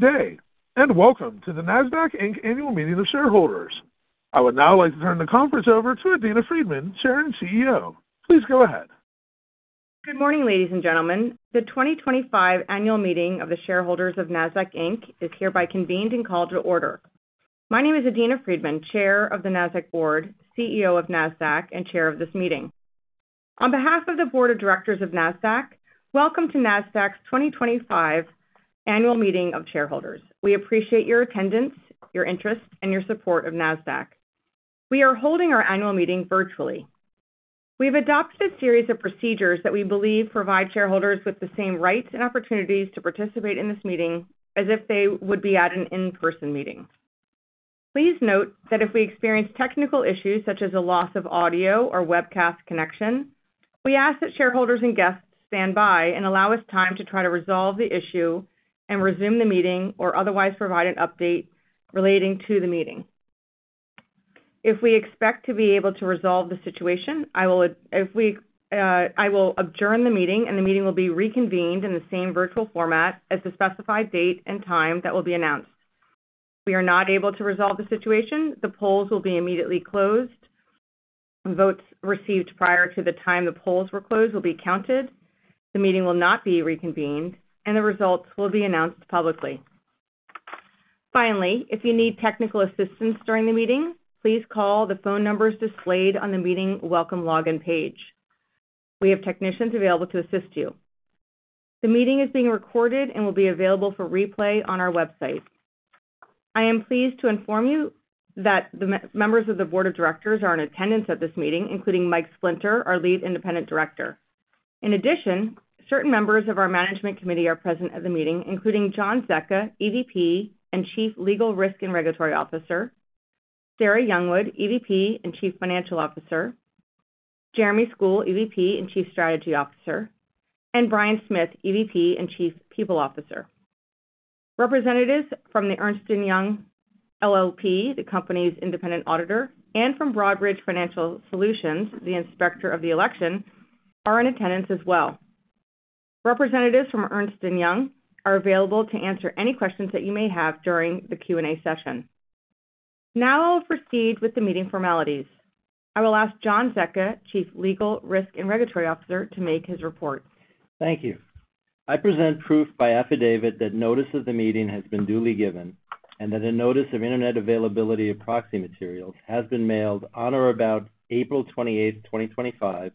Today, and welcome to the Nasdaq Annual Meeting of Shareholders. I would now like to turn the conference over to Adena Friedman, Chair and CEO. Please go ahead. Good morning, ladies and gentlemen. The 2025 Annual Meeting of the Shareholders of Nasdaq is hereby convened and called to order. My name is Adena Friedman, Chair of the Nasdaq Board, CEO of Nasdaq, and Chair of this meeting. On behalf of the Board of Directors of Nasdaq, welcome to Nasdaq's 2025 Annual Meeting of Shareholders. We appreciate your attendance, your interest, and your support of Nasdaq. We are holding our annual meeting virtually. We have adopted a series of procedures that we believe provide shareholders with the same rights and opportunities to participate in this meeting as if they would be at an in-person meeting. Please note that if we experience technical issues such as a loss of audio or webcast connection, we ask that shareholders and guests stand by and allow us time to try to resolve the issue and resume the meeting or otherwise provide an update relating to the meeting. If we expect to be able to resolve the situation, I will adjourn the meeting, and the meeting will be reconvened in the same virtual format at the specified date and time that will be announced. If we are not able to resolve the situation, the polls will be immediately closed. Votes received prior to the time the polls were closed will be counted. The meeting will not be reconvened, and the results will be announced publicly. Finally, if you need technical assistance during the meeting, please call the phone numbers displayed on the meeting welcome login page. We have technicians available to assist you. The meeting is being recorded and will be available for replay on our website. I am pleased to inform you that the members of the Board of Directors are in attendance at this meeting, including Michael R. Splinter, our Lead Independent Director. In addition, certain members of our Management Committee are present at the meeting, including John Zecca, EVP and Chief Legal, Risk, and Regulatory Officer; Sarah Youngwood, EVP and Chief Financial Officer; Jeremy School, EVP and Chief Strategy Officer; and Brian Smith, EVP and Chief People Officer. Representatives from Ernst & Young LLP, the company's independent auditor, and from Broadridge Financial Solutions, the inspector of the election, are in attendance as well. Representatives from Ernst & Young are available to answer any questions that you may have during the Q&A session. Now I'll proceed with the meeting formalities. I will ask John Zecca, Chief Legal, Risk, and Regulatory Officer, to make his report. Thank you. I present proof by affidavit that notice of the meeting has been duly given and that a notice of internet availability of proxy materials has been mailed on or about April 28, 2025,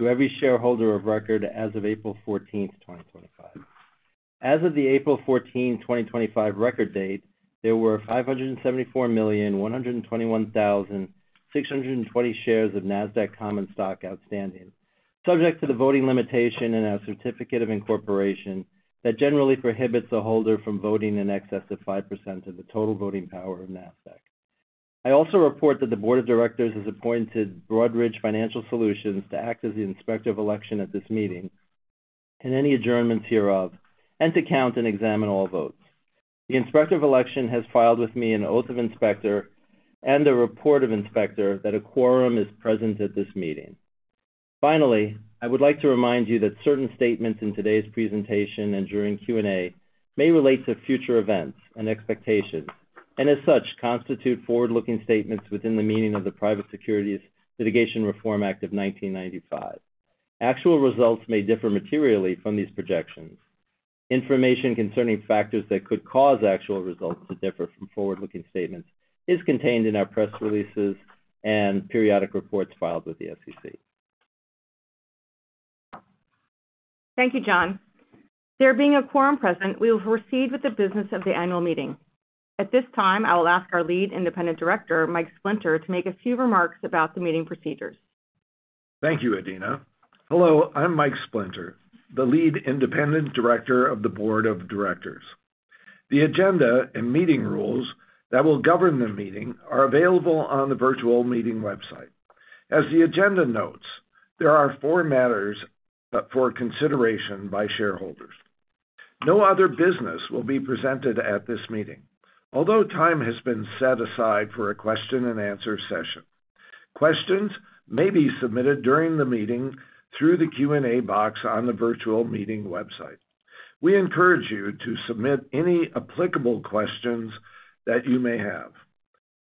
to every shareholder of record as of April 14, 2025. As of the April 14, 2025, record date, there were 574,121,620 shares of Nasdaq Common Stock outstanding, subject to the voting limitation and a certificate of incorporation that generally prohibits a holder from voting in excess of 5% of the total voting power of Nasdaq. I also report that the Board of Directors has appointed Broadridge Financial Solutions to act as the inspector of election at this meeting and any adjournments hereof, and to count and examine all votes. The inspector of election has filed with me an oath of inspector and a report of inspector that a quorum is present at this meeting. Finally, I would like to remind you that certain statements in today's presentation and during Q&A may relate to future events and expectations and, as such, constitute forward-looking statements within the meaning of the Private Securities Litigation Reform Act of 1995. Actual results may differ materially from these projections. Information concerning factors that could cause actual results to differ from forward-looking statements is contained in our press releases and periodic reports filed with the SEC. Thank you, John. There being a quorum present, we will proceed with the business of the annual meeting. At this time, I will ask our lead independent director, Michael Splinter, to make a few remarks about the meeting procedures. Thank you, Adena. Hello, I'm Mike Splinter, the lead independent director of the Board of Directors. The agenda and meeting rules that will govern the meeting are available on the virtual meeting website. As the agenda notes, there are four matters for consideration by shareholders. No other business will be presented at this meeting, although time has been set aside for a question and answer session. Questions may be submitted during the meeting through the Q&A box on the virtual meeting website. We encourage you to submit any applicable questions that you may have.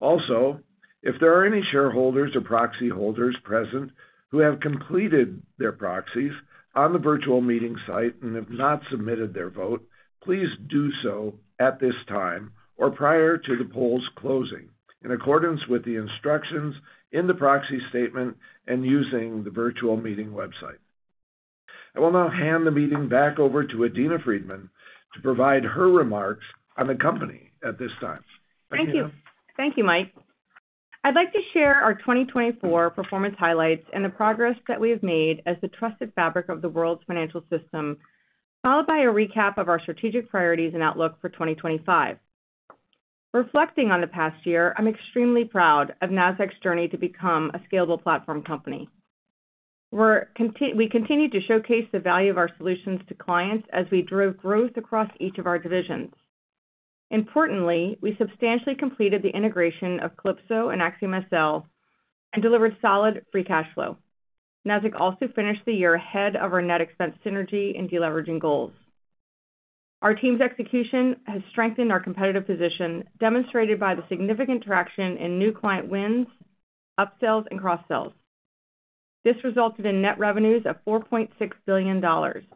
Also, if there are any shareholders or proxy holders present who have completed their proxies on the virtual meeting site and have not submitted their vote, please do so at this time or prior to the polls closing in accordance with the instructions in the proxy statement and using the virtual meeting website. I will now hand the meeting back over to Adena Friedman to provide her remarks on the company at this time. Thank you. Thank you. Thank you, Mike. I'd like to share our 2024 performance highlights and the progress that we have made as the trusted fabric of the world's financial system, followed by a recap of our strategic priorities and outlook for 2025. Reflecting on the past year, I'm extremely proud of Nasdaq's journey to become a scalable platform company. We continue to showcase the value of our solutions to clients as we drove growth across each of our divisions. Importantly, we substantially completed the integration of Calypso and AxiomSL and delivered solid free cash flow. Nasdaq also finished the year ahead of our net expense synergy and deleveraging goals. Our team's execution has strengthened our competitive position, demonstrated by the significant traction in new client wins, upsells, and cross-sells. This resulted in net revenues of $4.6 billion. On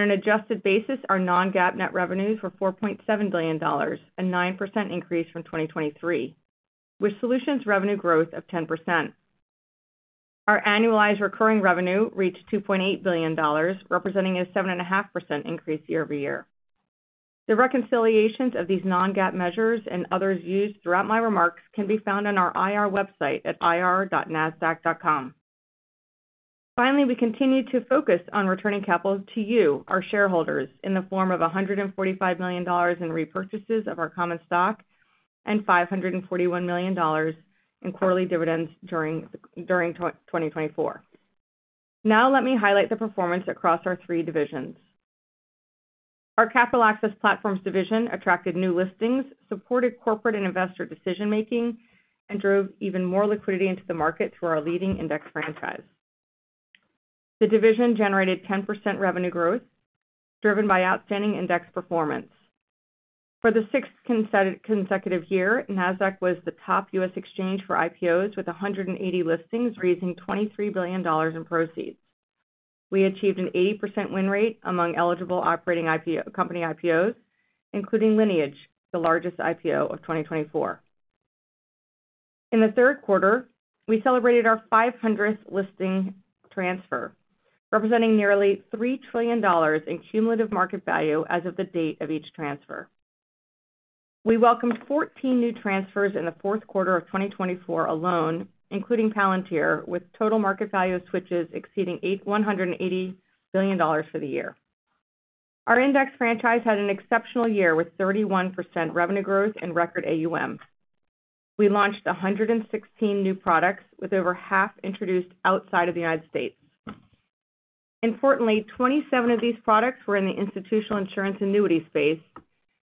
an adjusted basis, our non-GAAP net revenues were $4.7 billion, a 9% increase from 2023, with solutions revenue growth of 10%. Our annualized recurring revenue reached $2.8 billion, representing a 7.5% increase year over year. The reconciliations of these non-GAAP measures and others used throughout my remarks can be found on our IR website at ir.nasdaq.com. Finally, we continue to focus on returning capital to you, our shareholders, in the form of $145 million in repurchases of our common stock and $541 million in quarterly dividends during 2024. Now, let me highlight the performance across our three divisions. Our Capital Access Platforms division attracted new listings, supported corporate and investor decision-making, and drove even more liquidity into the market through our leading index franchise. The division generated 10% revenue growth driven by outstanding index performance. For the sixth consecutive year, Nasdaq was the top U.S. exchange for IPOs with 180 listings, raising $23 billion in proceeds. We achieved an 80% win rate among eligible operating company IPOs, including Lineage, the largest IPO of 2024. In the third quarter, we celebrated our 500th listing transfer, representing nearly $3 trillion in cumulative market value as of the date of each transfer. We welcomed 14 new transfers in the fourth quarter of 2024 alone, including Palantir, with total market value switches exceeding $180 billion for the year. Our index franchise had an exceptional year with 31% revenue growth and record AUM. We launched 116 new products, with over half introduced outside of the United States. Importantly, 27 of these products were in the institutional insurance annuity space,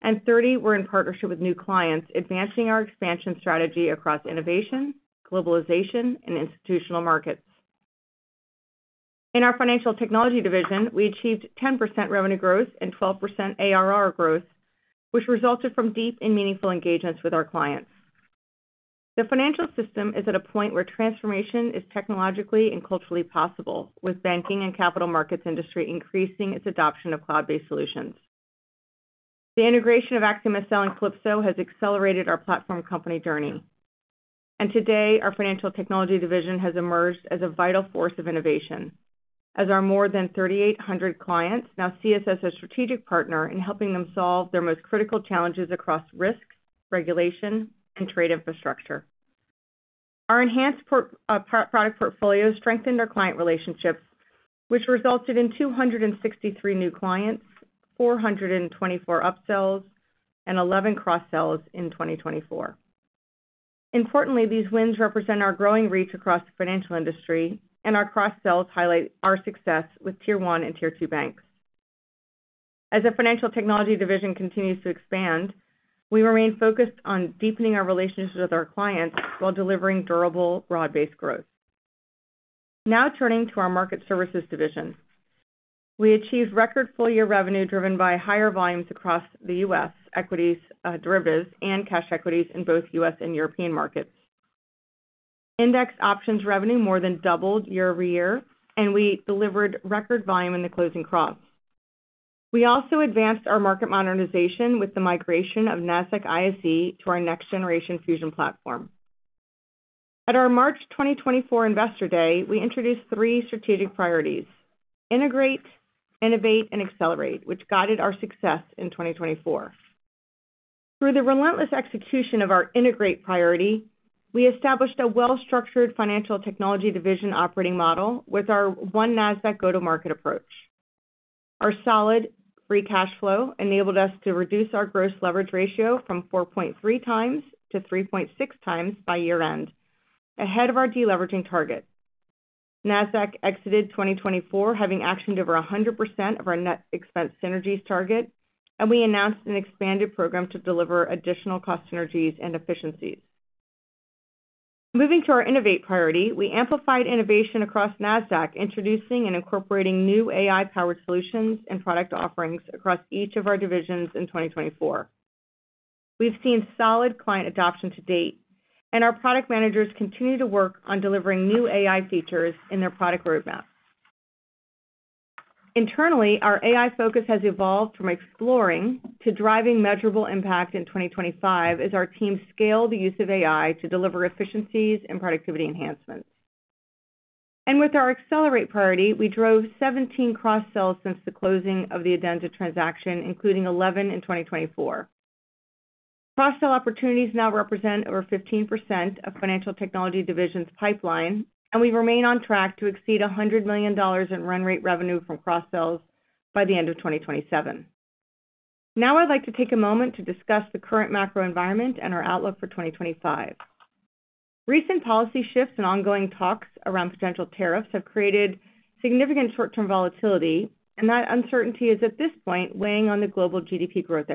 and 30 were in partnership with new clients, advancing our expansion strategy across innovation, globalization, and institutional markets. In our financial technology division, we achieved 10% revenue growth and 12% ARR growth, which resulted from deep and meaningful engagements with our clients. The financial system is at a point where transformation is technologically and culturally possible, with banking and capital markets industry increasing its adoption of cloud-based solutions. The integration of AxiomSL and Calypso has accelerated our platform company journey. Today, our financial technology division has emerged as a vital force of innovation, as our more than 3,800 clients now see us as a strategic partner in helping them solve their most critical challenges across risks, regulation, and trade infrastructure. Our enhanced product portfolio strengthened our client relationships, which resulted in 263 new clients, 424 upsells, and 11 cross-sells in 2024. Importantly, these wins represent our growing reach across the financial industry, and our cross-sells highlight our success with Tier 1 and Tier 2 banks. As the financial technology division continues to expand, we remain focused on deepening our relationships with our clients while delivering durable, broad-based growth. Now turning to our market services division, we achieved record full-year revenue driven by higher volumes across the U.S. equities, derivatives, and cash equities in both U.S. and European markets. Index options revenue more than doubled year over year, and we delivered record volume in the closing cross. We also advanced our market modernization with the migration of Nasdaq ISE to our next-generation Fusion Platform. At our March 2024 Investor Day, we introduced three strategic priorities: Integrate, Innovate, and Accelerate, which guided our success in 2024. Through the relentless execution of our Integrate priority, we established a well-structured financial technology division operating model with our One Nasdaq Go-to-Market approach. Our solid free cash flow enabled us to reduce our gross leverage ratio from 4.3 times to 3.6 times by year-end, ahead of our deleveraging target. Nasdaq exited 2024, having actioned over 100% of our net expense synergies target, and we announced an expanded program to deliver additional cost synergies and efficiencies. Moving to our Innovate priority, we amplified innovation across Nasdaq, introducing and incorporating new AI-powered solutions and product offerings across each of our divisions in 2024. We've seen solid client adoption to date, and our product managers continue to work on delivering new AI features in their product roadmap. Internally, our AI focus has evolved from exploring to driving measurable impact in 2025 as our team scales the use of AI to deliver efficiencies and productivity enhancements. With our Accelerate priority, we drove 17 cross-sells since the closing of the Adenza transaction, including 11 in 2024. Cross-sell opportunities now represent over 15% of Financial Technology division's pipeline, and we remain on track to exceed $100 million in run rate revenue from cross-sells by the end of 2027. Now I'd like to take a moment to discuss the current macro environment and our outlook for 2025. Recent policy shifts and ongoing talks around potential tariffs have created significant short-term volatility, and that uncertainty is at this point weighing on the global GDP growth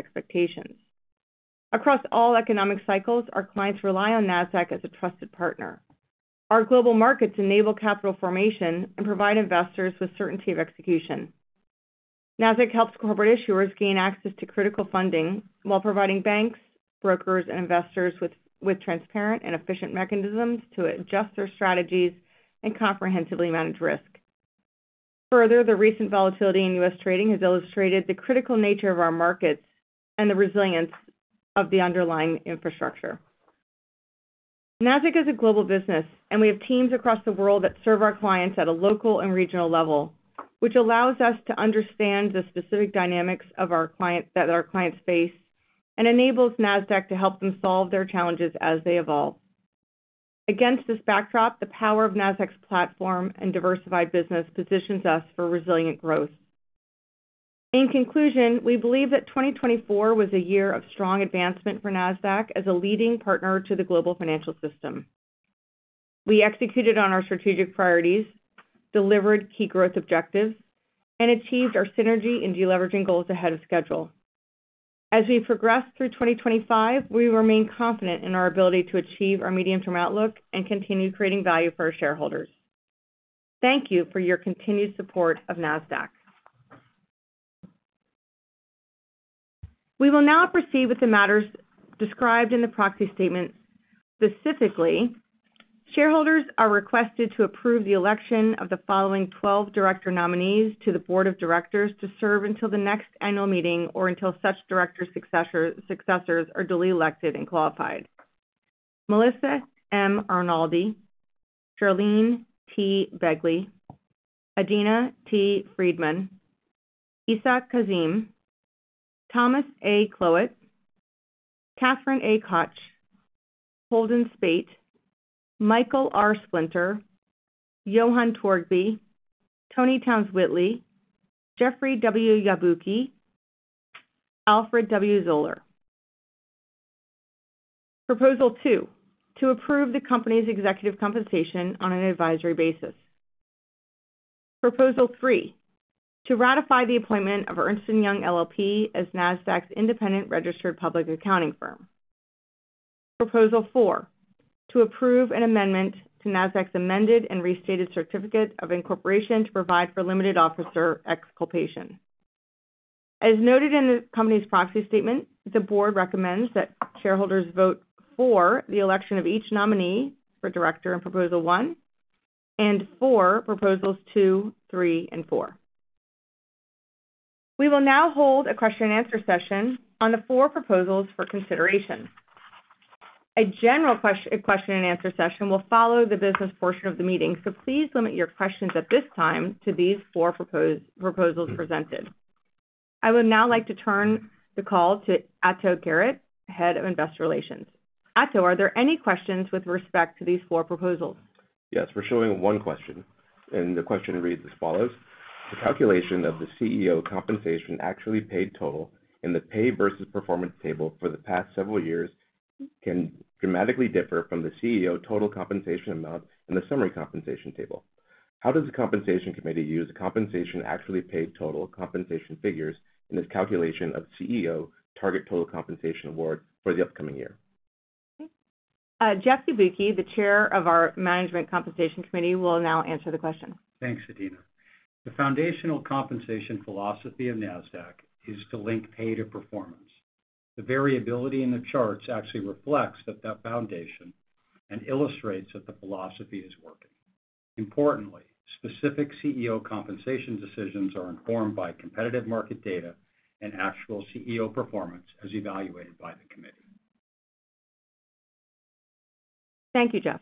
expectations. Across all economic cycles, our clients rely on Nasdaq as a trusted partner. Our global markets enable capital formation and provide investors with certainty of execution. Nasdaq helps corporate issuers gain access to critical funding while providing banks, brokers, and investors with transparent and efficient mechanisms to adjust their strategies and comprehensively manage risk. Further, the recent volatility in U.S. Trading has illustrated the critical nature of our markets and the resilience of the underlying infrastructure. Nasdaq is a global business, and we have teams across the world that serve our clients at a local and regional level, which allows us to understand the specific dynamics that our clients face and enables Nasdaq to help them solve their challenges as they evolve. Against this backdrop, the power of Nasdaq's platform and diversified business positions us for resilient growth. In conclusion, we believe that 2024 was a year of strong advancement for Nasdaq as a leading partner to the global financial system. We executed on our strategic priorities, delivered key growth objectives, and achieved our synergy and deleveraging goals ahead of schedule. As we progress through 2025, we remain confident in our ability to achieve our medium-term outlook and continue creating value for our shareholders. Thank you for your continued support of Nasdaq. We will now proceed with the matters described in the proxy statements. Specifically, shareholders are requested to approve the election of the following 12 director nominees to the board of directors to serve until the next annual meeting or until such director successors are duly elected and qualified: Melissa M. Arnaldi, Charlene T. Begley, Adena T. Friedman, Isaac Kazim, Thomas A. Kloet, Katherine A. Koch, Holden Spate, Michael R. Splinter, Johan Torgby, Tony Towns-Whitley, Jeffrey W. Yabuki, Alfred W. Zoller. Proposal Two: To approve the company's executive compensation on an advisory basis. Proposal Three: To ratify the appointment of Ernst & Young LLP as Nasdaq's independent registered public accounting firm. Proposal Four: To approve an amendment to Nasdaq's amended and restated certificate of incorporation to provide for limited officer exculpation. As noted in the company's proxy statement, the board recommends that shareholders vote for the election of each nominee for director in Proposal One and for Proposals Two, Three, and Four. We will now hold a question-and-answer session on the four proposals for consideration. A general question-and-answer session will follow the business portion of the meeting, so please limit your questions at this time to these four proposals presented. I would now like to turn the call to Ato Garrett, Head of Investor Relations. Ato, are there any questions with respect to these four proposals? Yes, we're showing one question, and the question reads as follows: The calculation of the CEO compensation actually paid total in the pay versus performance table for the past several years can dramatically differ from the CEO total compensation amount in the summary compensation table. How does the compensation committee use the compensation actually paid total compensation figures in its calculation of CEO target total compensation award for the upcoming year? W. Yabuki, the Chair of our Management Compensation Committee, will now answer the question. Thanks, Adena. The foundational compensation philosophy of Nasdaq is to link pay to performance. The variability in the charts actually reflects that foundation and illustrates that the philosophy is working. Importantly, specific CEO compensation decisions are informed by competitive market data and actual CEO performance as evaluated by the committee. Thank you, Jeff.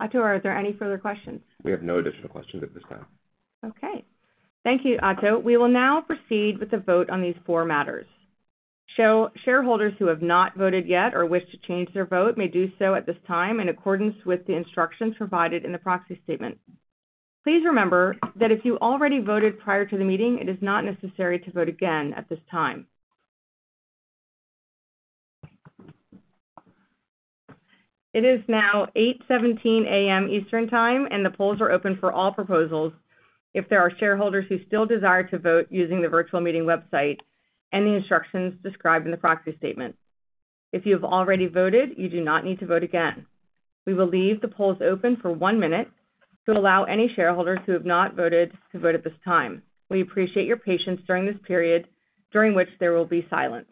Ato, are there any further questions? We have no additional questions at this time. Okay. Thank you, Ato. We will now proceed with the vote on these four matters. Shareholders who have not voted yet or wish to change their vote may do so at this time in accordance with the instructions provided in the proxy statement. Please remember that if you already voted prior to the meeting, it is not necessary to vote again at this time. It is now 8:17 A.M. Eastern Time, and the polls are open for all proposals if there are shareholders who still desire to vote using the virtual meeting website and the instructions described in the proxy statement. If you have already voted, you do not need to vote again. We will leave the polls open for one minute to allow any shareholders who have not voted to vote at this time. We appreciate your patience during this period, during which there will be silence.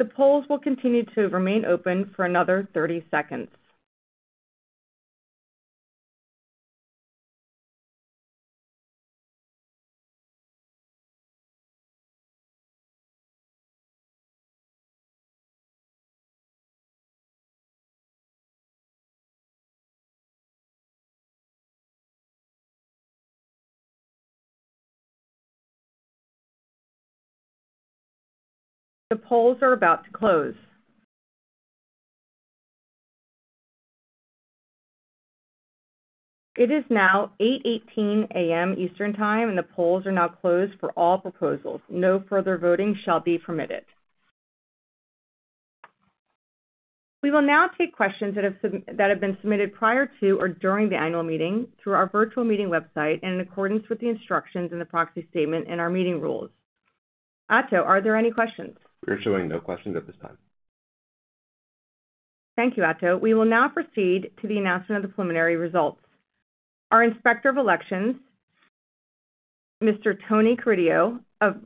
The polls will continue to remain open for another 30 seconds. The polls are about to close. It is now 8:18 A.M. Eastern Time, and the polls are now closed for all proposals. No further voting shall be permitted. We will now take questions that have been submitted prior to or during the annual meeting through our virtual meeting website and in accordance with the instructions in the proxy statement and our meeting rules. Ato, are there any questions? We're showing no questions at this time. Thank you, Ato. We will now proceed to the announcement of the preliminary results. Our inspector of elections, Mr. Tony Carrillo of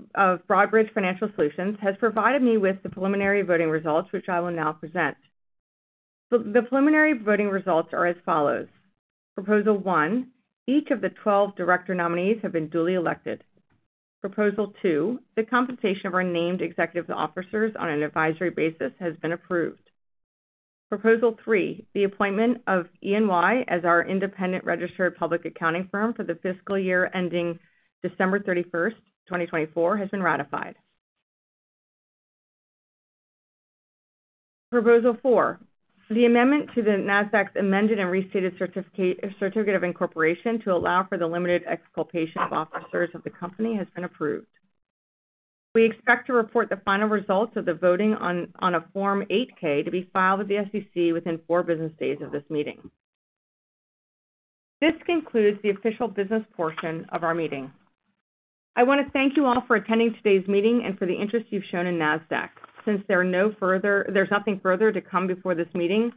Broadridge Financial Solutions, has provided me with the preliminary voting results, which I will now present. The preliminary voting results are as follows: Proposal 1: Each of the 12 director nominees have been duly elected. Proposal 2: The compensation of our named executive officers on an advisory basis has been approved. Proposal 3: The appointment of Ernst & Young LLP as our independent registered public accounting firm for the fiscal year ending December 31, 2024, has been ratified. Proposal 4: The amendment to Nasdaq's amended and restated certificate of incorporation to allow for the limited exculpation of officers of the company has been approved. We expect to report the final results of the voting on a Form 8-K to be filed with the U.S. Securities and Exchange Commission within four business days of this meeting. This concludes the official business portion of our meeting. I want to thank you all for attending today's meeting and for the interest you've shown in Nasdaq. Since there's nothing further to come before this meeting,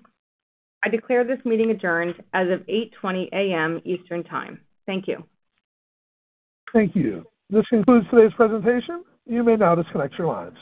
I declare this meeting adjourned as of 8:20 A.M. Eastern Time. Thank you. Thank you. This concludes today's presentation. You may now disconnect your lines.